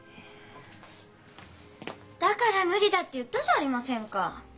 だから「無理だ」って言ったじゃありませんか。